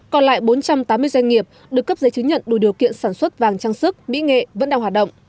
còn lại bốn trăm tám mươi doanh nghiệp được cấp giấy chứng nhận đủ điều kiện sản xuất vàng trang sức mỹ nghệ vẫn đang hoạt động